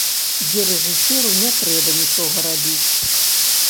Дзе рэжысёру не трэба нічога рабіць.